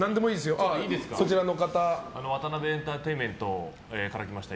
ワタナベエンターテインメントから来ました。